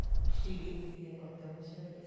猫って面白いです。